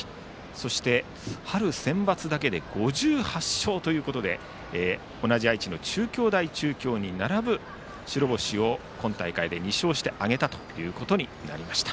そして、春センバツだけで５８勝ということで同じ愛知の中京大中京に並ぶ白星を今大会で２勝して挙げたということになりました。